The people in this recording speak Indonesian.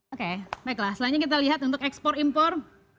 oke baiklah selanjutnya kita lihat untuk ekspor impor